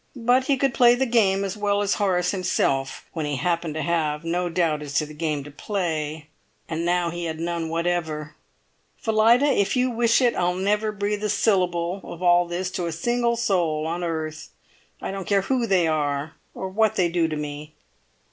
But he could "play the game" as well as Horace himself, when he happened to have no doubt as to the game to play. And now he had none whatever. "Phillida, if you wish it, I'll never breathe a syllable of all this to a single soul on earth, I don't care who they are, or what they do to me!"